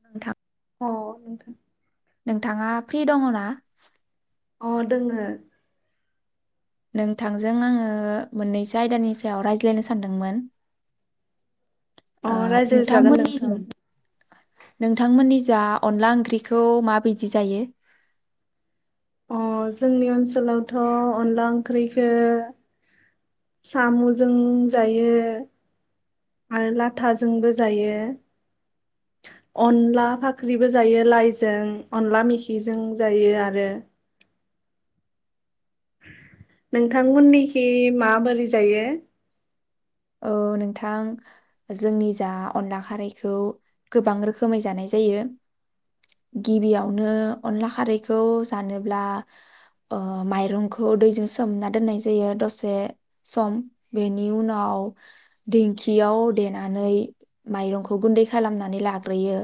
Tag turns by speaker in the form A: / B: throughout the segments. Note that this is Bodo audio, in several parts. A: नोंथां
B: औ नोंथां
A: नोंथाङा फ्रि दङ ना
B: अ दोङो
A: नोंथांजों आङो मोननैसो आयदानि सायाव रायज्लायनो सानदोंमोन
B: अ
A: ओ
B: रायज्लाय जागोन
A: नोंथांमोननि
B: नोंथां
A: जो नोंथांमोननि जा अनला ओंख्रिखौ माबायदि जायो
B: अ जोंनि ओनसोलावथ' अनला ओंख्रिखो साम'जों जायो आरो लाथाजोंबो जायो अनला फाख्रिबो जायो लाइजों अनला मेखिजों जायो आरो नोंथांमोननिखि माबोरै जायो
A: औ नोंथां जोंनि जा अनला खारैखौ गोबां रोखोमै जानाय जायो गिबियावनो अनला खारैखौ जानोब्ला माइरंखौ दैजों सोमना दोननाय जायो दसे सम बेनि उनाव दिंखियाव देनानै माइरंखौ गुन्दै खालामनानै लाग्रोयो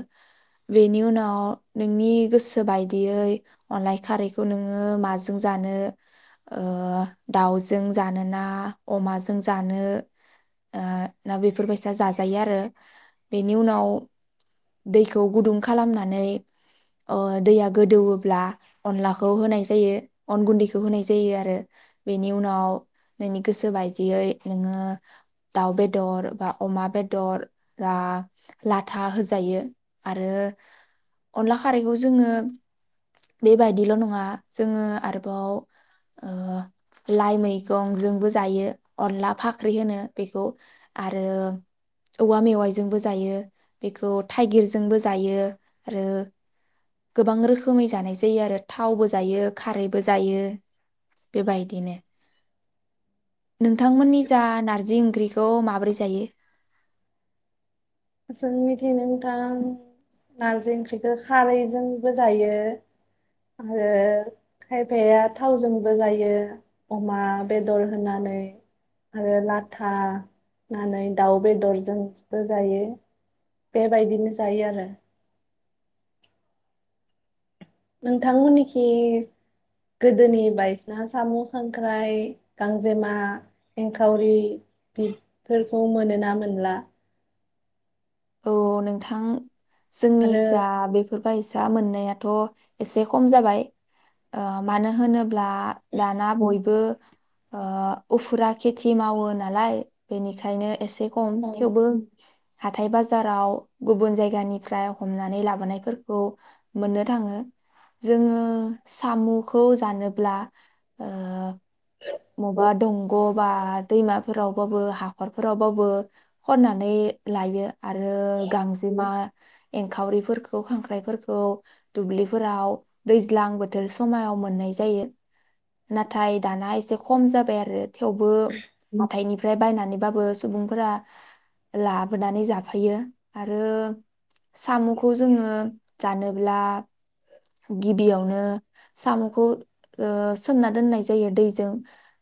A: बेनि उनाव नोंनि गोसो बायदियै अनलाय खारैखौ नोङो माजों जानो दाउजों जानोोना अमाजों जानो दा बेफोरबायसा जाजायो आरो बेनि उनाव दैखौ गुदुं खालामनानै दैया गोदौब्ला अनलाखौ होनाय जायो अन गुन्दैखौ होनाय जायो आरो बेनि उनाव नोंनि गोसो बायदियै नोङो दाउ बेदर बा अमा बेदर बा लाथा होजायो आरो अनला खारैखौ जोङो बेबायदिल' नङा जोङो आरोबाव लाइ मैगं जोंबो जायो अनला फा ख्रि होनो बेखौ आरो औवा मेवाइजोंबो जायो बेखौ थाइगिरजोंबो जायो आरो गोबां रोखोमै जानाय जायो आरो थावबो जायो खारैबो जायो बेबायदिनो नोंथांमोननि जा नारजि ओंख्रिखौ माबोरै जायो
B: जों मिथिनो नोंथां नारजि ओंख्रिखौ खारैजोंबो जायो आरो खायफाया थावजोंबो जायो अमा बेदर होनानै आरो लाथा होनानै दाउ बेदरजोंबो जायो बेबायदिनो जायो आरो नोंथांमोननिखि गोदोनि बायसाना साम' खांख्राइ गांजेमा एंखावरि बेफोरखौ मोनोना मोनला
A: औ नोंथां जोंनि
B: आरो
A: जा बेफोरबायसा फिसा मोननायाथ' एसे खम जाबाय मानो होनोब्ला दाना बयबो उफुरा खेथि मावो नालाय बेनिखायनो एसे खम
B: औ
A: थेवबो हाथायबा बाजाराव गुबुन जायगानिनिफ्राय हमनानै लाबोनायफोरखौ मोननो थाङो जोङो साम'खौ जानोब्ला मबबा दंग' बा दैमाफोरावबाबो हाखरफोरावबाबो खननानै लायो आरो गांजेमा एंखावरिफोरखौ खांख्राइफोरखौ दुब्लिफोराव दैज्लां बोथोर समायाव मोननाय जायो नाथाय दाना एसे खम जाबाय आरो थेवबो माथायनि फाय बायनानैबाबो सुबुंफोरा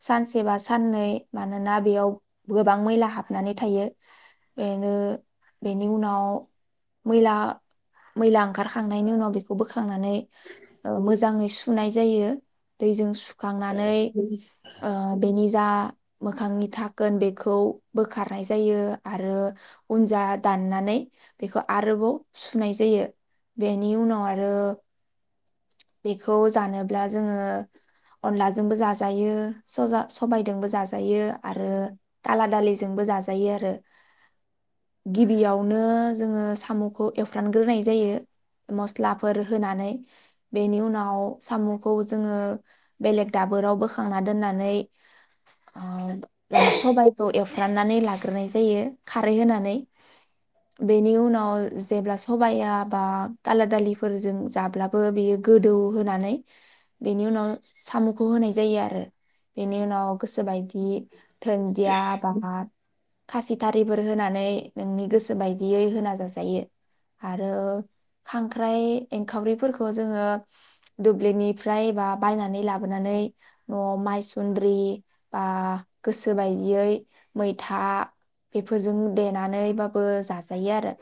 A: सानसे बा साननै मानोना बेयाव गोबां मैला हाबनानै थायो बेनो बेनि उनाव मैला मैला ओंखारखांनायनि उनाव बेखौ बोखांनानै मोजाङै सुनाय जायो दैजों खांनानै बेनि जा मोखांनि थाखोन बेखौ बोखारनाय जायो आरो उन जा दाननानै बेखौ आरोबाव सुनाय जायो बेनि उनाव आरो बेखौ जानोब्ला जोङो अनलाजोंबो जाजायोजा सबायजोंबो जाजायो आरो काला दालिजोंबो जाजायो आरो गिबियावनो जोङो साम'खौ एवफ्रानग्रोनाय जायो मस्लाफोर होनानै बेनि उनाव साम'खौ जोङो बेलेग दाबोराव बोखांना दोननानै सबायाइखौ एवफ्राननानै लाग्रोनाय जायो खारै होनानै बेनि उनाव जेब्ला सब बा दाला दालिफोरजों जाब्लाबो बेयो गोदौ होनानै बेनि उनाव साम'खौ होनाय जायो आरो बेनि उनाव गोसोबायदि बि धोनदिया बामा खासिथारिफोर होनानै नोंनि गोसो बायदियै होना जाजायो आरो खांख्राइ एंखावरिफोरखौ जोङो दुब्लिनिफ्राय बा बायनानै लाबोनानै न'आव मायसुन्द्रि बा गोसो बायदियै मैथा बेफोरजों देनानैबाबो जाजायो आरो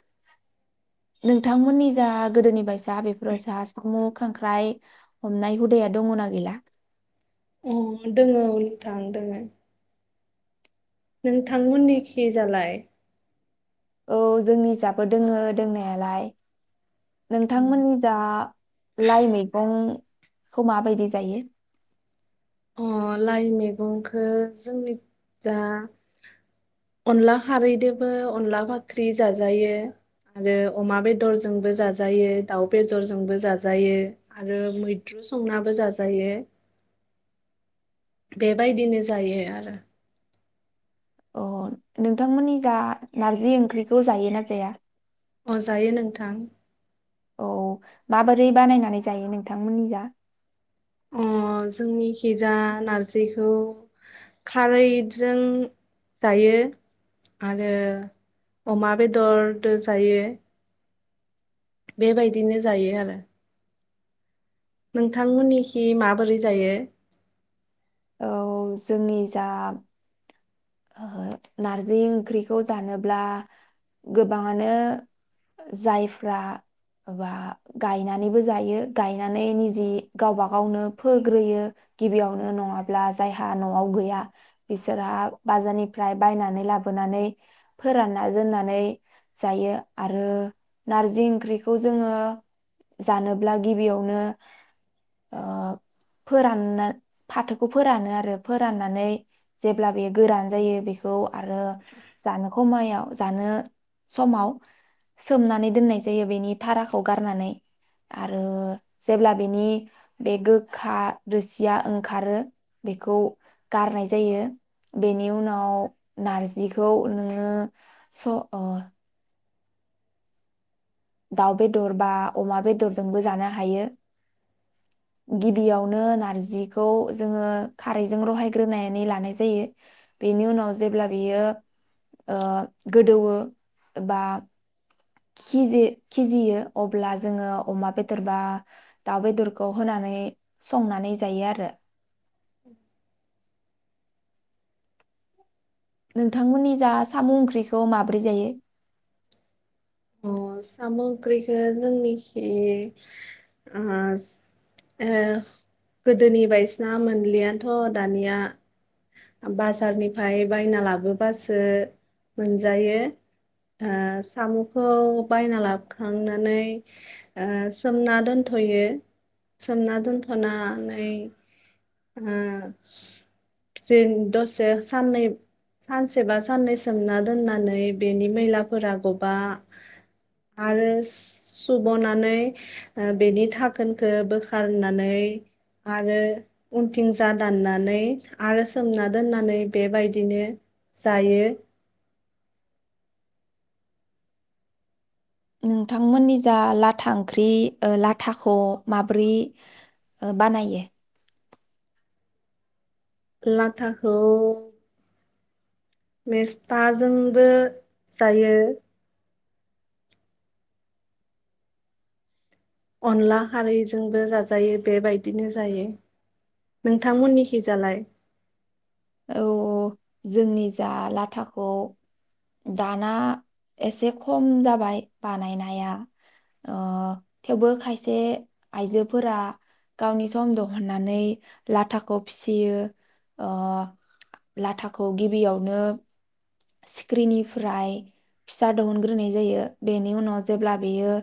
A: नोंथांमोननि जा गोदोनि बायसा बेफोरबायसा सिमु खांख्राय हमनाय हुदाया दङना गैला
B: अ दोङो औ नोंथां दोङो नोंथांमोननिखि जालाय
A: औ जोंनि जाबो दोङो दोंनायालाय नोंथांमोननि जा लाइ मैगं खौ माबायदि जायो
B: अ लाइ मैगंखो जोंनिखि जा अनला खारैदोबो अनला फाख्रि जाजायो आरो अमा बेदरजोंबो जाजायो दाउ बेदरजोंबो जाजायो आरो मैद्रु संनाबो जाजायो बेबायदिनो जायो आरो
A: अ नोंथांमोननि जा नारजि ओंख्रिखौ जायो ना जाया
B: अजायो नोंथां
A: औ माबोरै बानायनानै जायो नोंथांमोननि जा
B: अ जोंनिखिजा नारजिखौ खारैजों जायो आरो अमा बेदरदो जायो बेबायदिनो जायो आरो नोंथांमोननिखि माबोरै जायो
A: औ जोंनि जा नारजि ओंख्रिखौ जानोब्ला गोबाङानो जायफ्रा गायनानैबो जायो गायनानै निजि गावबा गावनो फोग्रोयो गिबियावनो नङाब्ला जायहा न'आव गैया बिसोरहा बाजारनिफ्राय बायनानै लाबोनानै फोरानना दोननानै जायो आरो नारजि ओंख्रिखौ जोङो जानोब्ला गिबियावनो ओ फोरानना फाथोखौ फोरानो आरो फोराननानै जेब्ला बे गोरान जायो बेखौ आरो जानो खमायाव जानो समाव सोमनानै दोननाय जायो बेनि थाराखौ गारनानै आरो जेब्ला बेनि बे गोखा रोसिया ओंखारो बेखौ गारनाय जायो बेनि उनाव नारजिखौ नोङो स ओ दाउ बेदर बा अमा बेदरजोंबो जानो हायो गिबियावनो नारजिखौ जोङो खारैजों रहायग्रोनानै लानाय जायो बेनि उनाव जेब्ला बियो गोदौ बा खिजे- खिजियो अब्ला जोङो अमा बेदर बा दाउ बेदरखौ होनानै संनानै जायो आरो
B: उ
A: नोंथांमोननि जा सामु ओंख्रिखौ माब्रै जायो?
B: सामु ओंख्रिखो जोंनिखि ओ ओ गोदोनि बायदिसिना मोनलियाथ' दानिया बाजारनिफ्राय बायना लाबोबासो मोनजायो ओ सामुखौ बायना लाबोखांनानै ओ सोमना दोनथ'यो सोमना दोनथ'नानै आ जे दसे साननै सानसेबा साननै सोमना दोननानै बेनि मैलाफोरा गबा आरो सुब'नानै बेनि थाखोनखौ बोखारनानै आरो उनथिं जा दाननानै आरो सोमना दोननानै बेबायदिनो जायो।
A: नोंथांमोननि जा लाथा ओंख्रि लाथाखौ माब्रै बानायो?
B: लाथाखौ मेस्थाजोंबो जायो। अनला खारैजोंबो जा जायो बेबायदिनो जायो नोंथांमोननिखि जालाय
A: औ जोंनि जा लाथाखौ दाना एसे खम जाबाय बानायनाया ओ थेवबो खायसे आइजोफोरा गावनि सम दिहुननानै लाथाखौ फिसियो अ। लाथाखौ गिबियावनो सिख्रिनिफ्राय फिसा दिहुनग्रोनाय जायो बेनि उनाव जेब्ला बेयो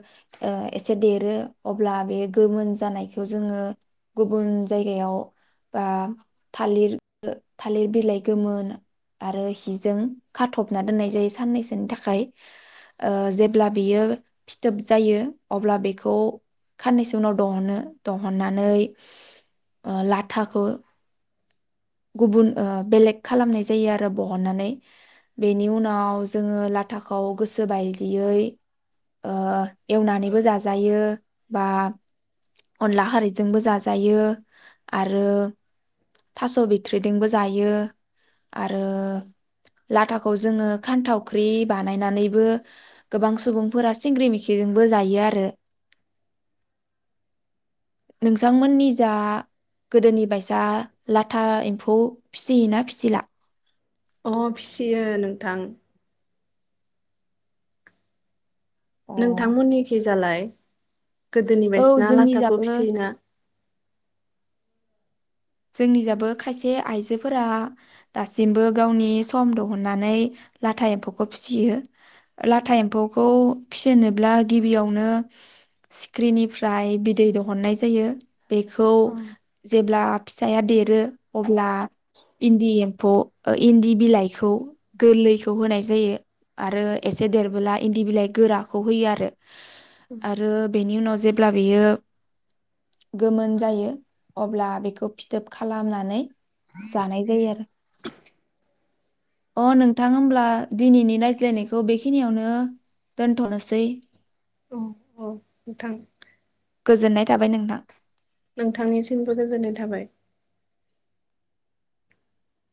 A: एसे देरो अब्ला बे गोमोन जानायखौ जोङो गुबुन जायगायाव बा थालिर थालिर बिलाइ गोमोन आरो हिजों खाथबना दोननाय जायो साननैसोनि थाखाय ओ जेब्ला बियो फिथोब जायो अब्ला बेखौ साननैसो उनाव दिहनो दिहननानै लाथाखौ गुबुन बेलेग खालामनाय जायो आरो बहननानै बेनि उनाव जोङो लाथाखौ गोसो ओ बायदियै एवनानैबो जाजायो बा अनला खारैजोंबो जाजायो आरो थास' बिथ्रिजोंबो जायो आरो लाथाखौ जोङो खानथावख्रि बानायनानैबो गोबां सुबुंफोरा सिंग्रि मिखिजोंबो जायो आरो नोंथांमोननि जा गोदोनि बायसा लाथा एम्फौ फिसियो ना फिसिला
B: अ फिसियो नोंथां
A: औ
B: नोंथांमोननि के जालाय गोदोनि बायदिना
A: जोंनि
B: लाथाखौ
A: जाबो
B: फिसोयोना
A: जोंनि जाबो खायसे आइजोफोरा दासिमबो गावनि सम दिहुननानै लाथा एम्फौखौ फिसियो लाथा एम्फौखौ फिसिनोब्ला गिबियावनो सिख्रिनिफ्राय बिदै दिहुननाय जायो बेखौ
B: औ
A: जेब्ला फिसाया देरो अब्ला इन्दि एम्फौ इन्दि बिलाइखौ गोरलैखौ होनाय जायो आरो एसे देरबोला इन्दि बिलाइ गोराखौ होयो आरो आरो बेनि उनाव जेब्ला बेयो गोमोन जायो अब्ला बेखौ फिथोब खालामनानै जानाय जायो आरो अ नोंथां होमब्ला दिनैनि रायज्लायनायखौ बेखिनियावनो दोनथ'नोसै
B: गोथां
A: गोजोननाय थाबाय नोंथां
B: नोंथांनिसिमबो गोजोननाय थाबाय